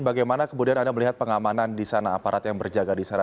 bagaimana kemudian anda melihat pengamanan di sana aparat yang berjaga di sana